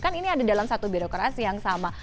kan ini ada dalam satu birokrasi yang sama